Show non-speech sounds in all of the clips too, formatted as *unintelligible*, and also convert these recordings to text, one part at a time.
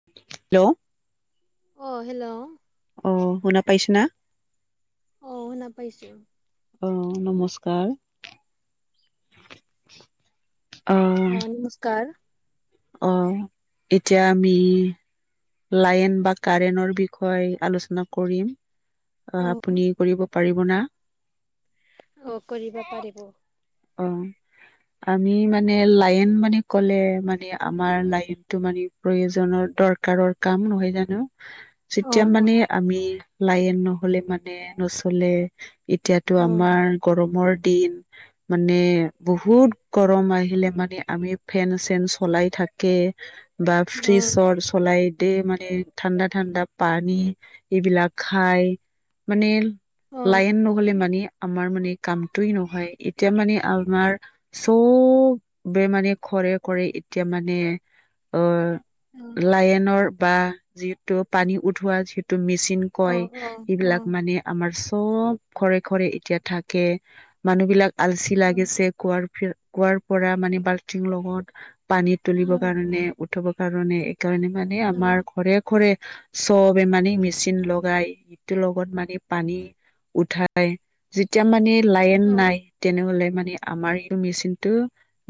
Hello অ' hello অঁ শুনা পাইছ না। অ শুনা পাইছো। অহ নমস্কাৰ। অ নমস্কাৰ। অ এতিয়া আমি- লাইন বা কাৰেনৰ বিষয় আলোচনা কৰিম, অ আপুনি কৰিব- পাৰিব না- অঁ কৰিব পাৰিব। অঁ আমি মানে লাইন মানে ক'লে মানে আমাৰ লাইনটো মানে- প্ৰয়োজনৰ দৰকাৰৰ কাম নহয় জানো। উ *unintelligible* যেতিয়া মানে আমি লাইন নহলে মানে নচলে। এতিয়াতো অ আমাৰ গৰমৰ দিন। মানে বহুত গৰম আহিলে মানে আমি ফেন চেন চলাই থাকে। বা অ ফ্ৰিচৰ চলাই- তে মানে ঠাণ্ডা ঠাণ্ডা পানী এইবিলাক খাই মানে অ অ লাইন নহ'লে মানে আমাৰ মানে কামটোৱেই নহয়। এট- এতিয়া মানে আমাৰ চব বে মানে ঘৰে ঘৰে এতিয়া মানে অ লাইনৰ বা যিটো পানী উঠোৱা যিটো মেচিন অ অ কয়, অ অ এইবিলাক মানে আমাৰ চব ঘৰে ঘৰে এতিয়া থাকে মানুহ বিলাক আলচি অ লাগিছে। কুঁৱাৰ ফিৰ কুঁৱাৰ পৰা মানে বাল্টিং লগত পানী তুলিবৰ কাৰণে উথ- উথব কাৰণে এইকাৰণে মানে অ আমাৰ ঘৰে ঘৰে চবে মানে মেচিন লগাই ইটোৰ লগত মানে পানী উঠাই যেতিয়া মানে লাইন অ নাই। তেনেহলে মানে আমাৰ এইটো মেচিন টো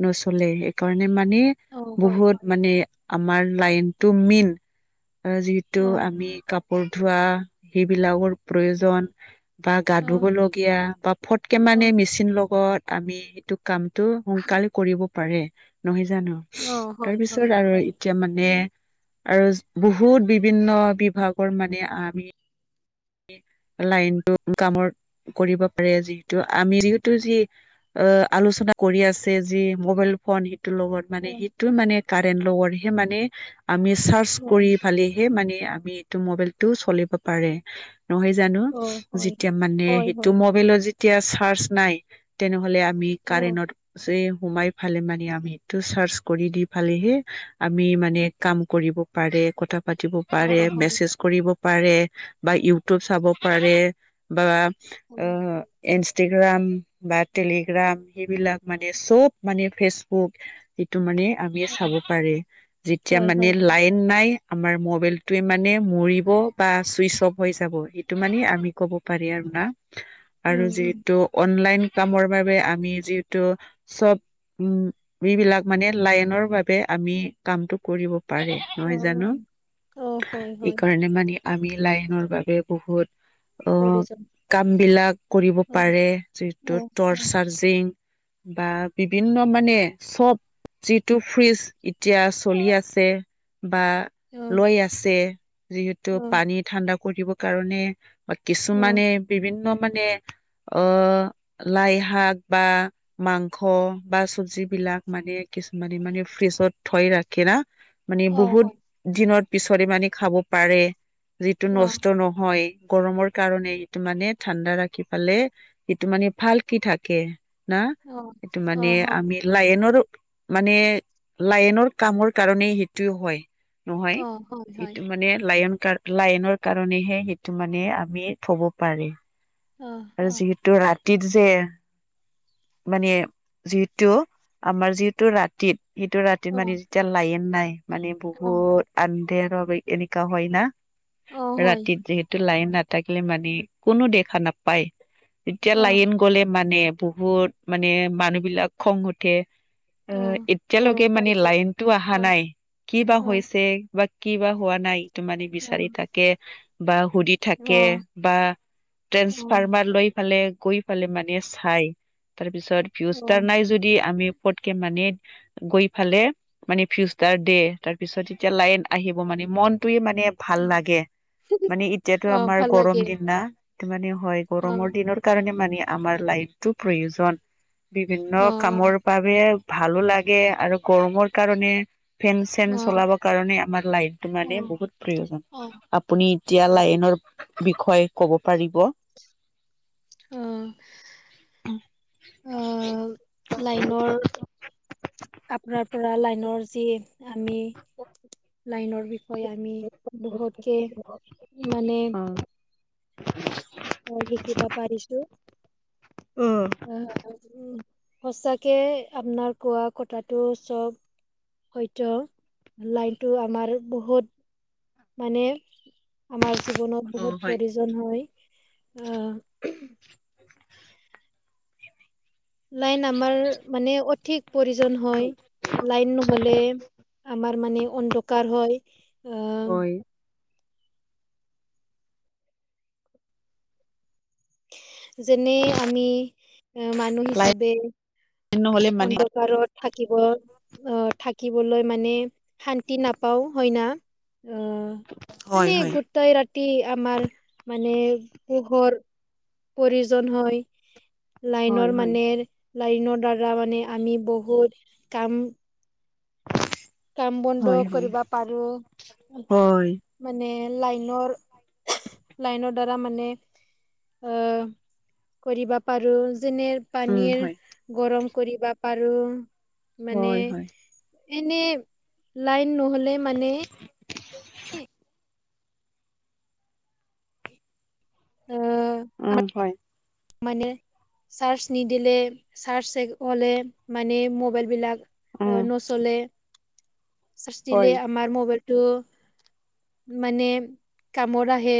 নচলে। সেইকাৰণে মানে অ হয় হয় বহুত মানে আমাৰ লাইনতটো মেইন। আজিত টো অ আমি কাপোৰ ধোৱা সেইবিলাকৰ প্ৰয়োজন। বা গা অ ধুব লগীয়া বা ফটকে অ মানে মেচিন লগত আমি সেটো কামটো সোনকালে কৰিব পাৰে, নহয় জানোঁ? অ হয় তাৰপিছত হয় আৰু হয় এতিয়া মানে আৰু বহুত বিভিন্ন বিভাগৰ মানে আমি লাইনতটো কামত কৰিব পাৰে যিহেতু আমি যিওত টো যি অ আলোচনা কৰি আছে যি মোবাইল ফোন টো লগত অ মানে সিটো মানে কাৰেন্ট লগত হে মানে আমি চাৰ্জ অ কৰি পালি এ মানে আমি এইটো মবাইল টো চলিব পাৰে। নহয় জানো, অ হয় যেতিয়া মানে হয় সেইটো হয় মবাইলত যেতিয়া চাৰ্জ নাই, তেনেহ'লে মি অ কাৰেণত ছে সোমাই ফালে মানে আমি সেইটো চাৰ্চ কৰি দি পালেহে আমি মানে কাম কৰিব পাৰে কথা পাতিব পাৰে, হয় হয় মেছেজ কৰিব পাৰে বা ইউটিউব চাব পাৰে। বা আ ইনছটেগ্ৰাম বা টেলিগ্ৰাম সেইবিলাক মানে চব মানে ফেচবুক সেইটো মানে আমি হয় চাব পাৰে। যেতিয়া মানে হয় হয় লাইট নাই আমাৰ মোবাইল টোৱে মানে মৰিব বা চুইচ অফ হৈ যাব। সেইটোৱে মানে আমি ক'ব পাৰি আৰু না *inaudible* আৰু উম যিহেতু অনলাইন কামৰ বাবে আমি যিহেতু চব উম এইবিলাক মানে লাইনৰ বাবে আমি কামতটো কৰিব পাৰে। অ নহয় জানো অ অ হয় হয় এইকাৰণে মানে আমি লাইনৰ বাবে বহুত অ কৰিছ কাম বিলাক কৰিব অ পাৰে। অ যিহেতু হয় টৰ্চ চাৰ্জিং বা বিভিন্ন মানে চব যিটো ফ্ৰিজ এতিয়া চলি আছে বা অ লৈ আছে, যিহেতু অ পানী ঠাণ্ডা কৰিব কাৰণে বা কিছুমানে বিভিন্ন মানে আহ লাই শাক বা মাংস বা চব্জি বিলাক মানে কিছুমানে মানে ফ্ৰিজত থৈ ৰাখে না। মানে বহুত দিনৰত পিছত মানে খাব পাৰে। যিটো নষ্ট নহয় গৰমৰ কাৰণে সিটো মানে ঠাণ্ডা ৰাখি পালে সিটো মানে ভালকে থাকে না এইটো মানে আমি লাইনৰ মানে লাইনৰ কামৰ কাৰণেই সেইটো হয়। নহয় ইটো মানে লায়ন কাৰ লাইনৰ কাৰণেহে সেইটো মানে আমি থব পাৰে। আৰু যিহেতু ৰাতিৰ যে মানে যিহেতু আমাৰ যিহেতু ৰাতিত সটো ৰাতি মানে যেতিয়া লাইন নাই মানে বহুত আন্ধেৰ হবেক এনেকুৱা হয় না ৰাতিত যিহেতু লাইন নাথাকিলে মানে কোনো দেখা নাপায়। এতিয়া লাইন গ'লে মানে বহুত মানে মানুহ বিলাক খং উঠে। অ, এতিয়ালৈকে মানে লাইনটো আহা নাই কি বা হৈছে বা কিবা হোৱা নাই তো মানে বিচাৰি তাকে বা সুধি থাকে বা ট্ৰেঞ্চ লৈ ফালে গৈ ফালে মানে চাই তাৰপিছত ভিউষ্টাৰ নাই যদি আমি পতকে মানে গৈ ফালে মানে ভিউষ্টাৰ দে তাৰপিছত এতিয়া লাইন আহিব মানে মনটোয়ে মানে ভাল লাগে মানে এতিয়াতো আমাৰ ভাল গৰম লাগে দিন না ত'মানে হয় গৰমৰ দিনৰ কাৰণে মানে আমাৰ লাইট টো প্ৰয়োজন বিভিন্ন কামৰ পা *unintelligible* ভালো লাগে আৰু গৰমৰ কাৰণে ফেন চেন চলাব কাৰণে আমাৰ লাইটটো মানে বহুত প্ৰয়োজন। অ, আপুনি ইতিয়া হয় লাইনৰ বিষয়ে কব পাৰিব। অহ। অ, লাইনৰ আপোনাৰ পৰা লাইনৰ যি আমি লাইনৰ বি হয় আমি বহুতকে মানে অ, শিকিবা পাৰিছো। *unintelligible* উম, সচাকে আপনাৰ কোৱা কথাটো চব হয়তো লাইনটো আমাৰ বহুত মানে আমাৰ জীৱনত অ' বহুত পৰিজন হয় অ, লাইন আমাৰ মানে অথিক পৰিজন হয়। লাইন নহলে আমাৰ মানে অন্দকাৰ হয়। অই আহ যেনে আমি মানুহ লাইন হিচাবে নহ'লে মানে অন্ধকাৰত থাকিব অহ, থাকিবলৈ মানে শান্তি নাপাও হয় না? অ, হয় মানে হয়। গোটেই ৰাতি আমাৰ মানে পোহৰ পৰিজন হয় হয় লাইনৰ হয়। মানে লাইনৰ দ্বাৰা মানে আমি বহুত কাম কাম বন্ধ হয় হয় কৰিবা পাৰো। হয় মানে লাইনৰ *unintelligible* লাইনৰ দ্বাৰা মানে অ, কৰিবা পাৰো যেনে উম পানীৰ হয় গৰম কৰিবা পাৰো মানে হয় হয় এনে লাইন নহ'লে মানে অ', অ, হয়। মানে চাৰ্চ নিদিলে চাৰ্চ চেক হলে মানে মোবাইল বিলাক অ, উম নচলে চাৰ্চ দিলে হয় আমাৰ মোবাইল টো মানে কামৰ আহে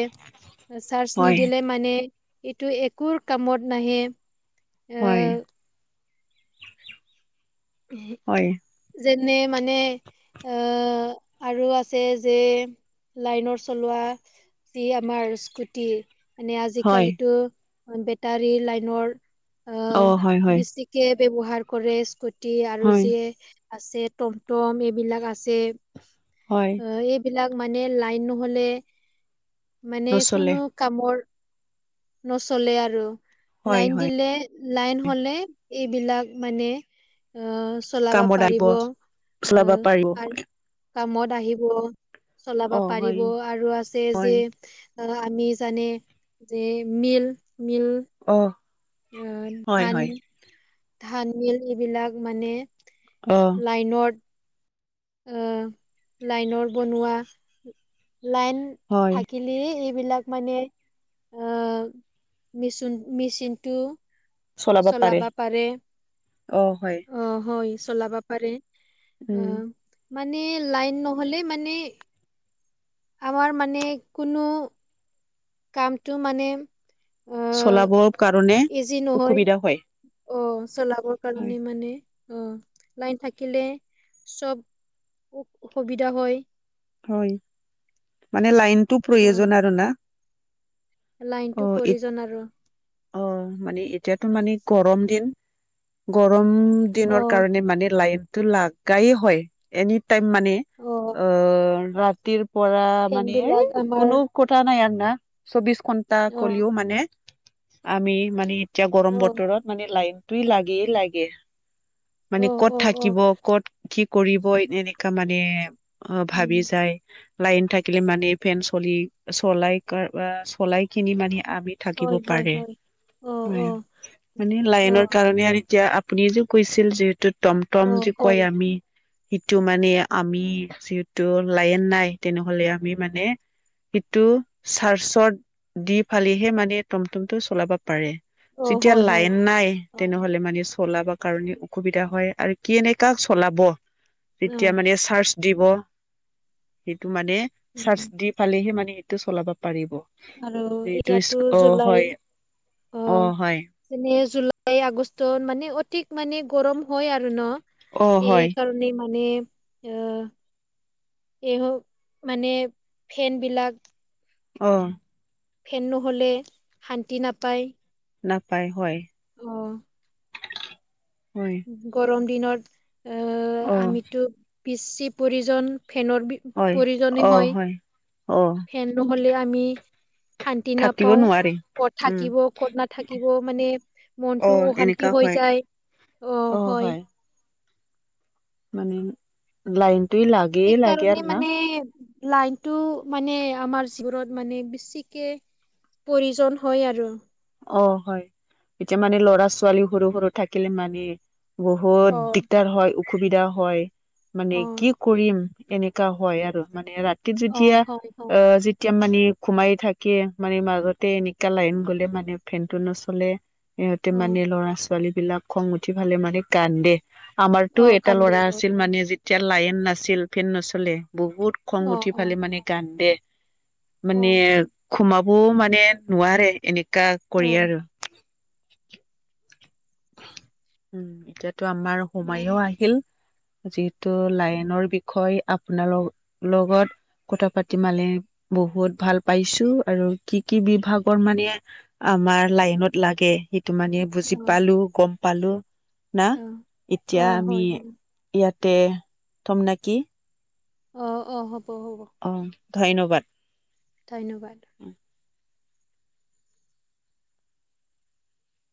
চাৰ্জ হয় নিদিলে মানে এইটো একোৰ কামত নাহে হয়। আহ *unintelligible* হয় যেনে মানে আহ, আৰু আছে যে লাইনৰ চলোৱা যি আমাৰ স্কুটি মানে হয় আজিকালিতো বেটাৰী লাইনৰ অ, হয় হয় বেছি কে ব্যৱহাৰ কৰে স্কুটি আৰু হয় যিয়ে আছে টমটম এইবিলাক আছে হয়। অ, এইবিলাক মানে লাইন নহ'লে মানে নচলে কোনো কামৰ নচলে আৰু হয় লাইন হয় দিলে লাইন হলে এইবিলাক মানে অ চু চলাব কামত আহিব পাৰিব, চলাব পাৰিব আৰু আ কামত আহিব, চলাব অ হয় পাৰিব আৰু আছে হয় যে আ আমি জানে যে মিল - মিল অহ। আহ ধান, ধান মিল এইবিলাক মানে অহ। লাইনত আ লাইনৰ বনোৱা লাইন হয়। থাকিলে এইবিলাক মানে অ মেচুন মিচিনটো চলাবা পাৰে, অ হয় আহ হয় চলাবা পাৰে। অ উম মানে লাইন নহ'লে মানে আমাৰ মানে কোনো কামটো মানে অ চলাবৰ কাৰণে ইজি নহয় ওসুবিধা হয়। অ চলাবৰ হয় কাৰণে মানে অ লাইন থাকিলে চব সুবিধা হয়। হয় মানে লাইনটো অ', প্ৰয়োজন আৰু না। লাইনটো প্ৰয়োজন আৰু। অঁ মানে এতিয়াতো মানে গৰম দিন গৰম দিনৰ অ', কাৰণে মানে লাইনটো লাগাই হয়, এনি টাইম মানে অ ৰাতিৰ পৰা ফেন মানে বিলাক আমাৰ কোনো কথা নাই আৰু না চৌবিশ ঘন্টা অ', কলেও মানে আমি মানে এতিয়া গৰম অ', বতৰত মানে লাইনটোয়ে লাগেই লাগে। মানে অ', কত অ', অ', থাকিব? কত কি কৰিব এনেকা মানে অ উম, ভাবি যায়। লাইন থাকিলে মানে ফেন চলি চলাই কা চলাই কিনি মানে আমি থাকিব হয়, হয়, পাৰে হয়। অ', উম অ', মানে লাইনৰ অ', কাৰণে আৰু এতিয়া আ আপুনি যে কৈছিল যে এইটো টম টম অ', যে হয়, কয় আমি সেইটো মানে আমি যিহেতু লাইন নাই তেনেহলে আমি মানে সেটো চাৰ্চত দি ফালিহে মানে টমটমটো চলাব পাৰে। অ', যেতিয়া হয়, হয়, লাইন নাই অ', তেনেহ'লে মানে চলাবা কাৰনে অসুবিধা হয় আৰু কেনেকা চলাব তেতিয়া অ', মানে চাৰ্জ দিব, সেইটো মানে উম, চাৰ্জ দি পালেহে মানে সেইটো চলাব পাৰিব। আৰু যিটো এতিয়াতো অ জুলাই হয় অ অহ। হয় যেনে জুলাই, আগষ্টত মানে অধিক মানে গৰম হয় আৰু ন অ হয় সেইকাৰ নে মানে আ এই মানে ফেনবিলাক অ। ফেন নহ'লে শান্তি নাপায়। নাপায় হয়। অ। হয়। গৰম দিনত এ অ আমিতো বেছি প্ৰয়োজন ফেনৰ বি হয় প্ৰয়োজনী হয়। অ। ফেন নহলে, আমি শান্তি থাকিব নাপাওঁ। নোৱাৰি ক'ত উম থাকিব ক'ত নাথাকিব মানে অ মনটো অশান্তি এনেকা হৈ হয় যায়। অঁ হয় মানে লাইনটো লাগেই লাগে সেইকাৰণে আৰু না। মানে লাইনটো মানে আমাৰ জীৱনত মানে বেছিকে- প্ৰয়োজন হয় আৰু অ হয় এতিয়া মানে ল'ৰা ছোৱালী সৰু সৰু থাকিলে মানে। বহুত অ' দিগদাৰ হয় অসুবিধা হয়, মানে অ' কি কৰিম? এনেকা হয় আৰু মানে ৰাতিত অ' যেতিয়া হয় হয় অ যেতিয়া মানে- ঘোমাই থাকে মানে মাজতে এনেকা লাইন গলে মানে ফেনটো নচলে। সিহঁতে অ'। মানে ল'ৰা ছোৱালী বিলাক খং উঠি পেলাই মানে কান্দে। আমাৰতো এটা ল'ৰা আছিল মানে যেতিয়া লাইন নাছিল ফেন নচলে বহুত- খং উঠি পেলাই কান্দে মানে- ঘোমাব বও মানে নোৱাৰে এনেকোৱা কৰি আৰু। উম এতিয়াতো আমাৰ সোমাইও আহিল। যিহেতু লাইনৰ বিষয়ে আপোনাৰ ল লগত। কথা পাতি মানে বহুত ভাল পাইছো, আৰু কি কি বিভাগৰ মানে- আমাৰ লাইনত লাগে সেইটো মানে- বুজি পালো গম পালো না এতিয়া হয় আমি- ইয়াতে থম নাকি। অঁ অঁ হ'ব হ'ব অঁ ধন্যবাদ। ধন্যবাদ।